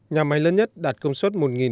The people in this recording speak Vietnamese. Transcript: nhà máy lớn nhất đạt công suất